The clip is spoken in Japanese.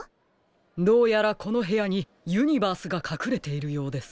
どうやらこのへやにユニバースがかくれているようです。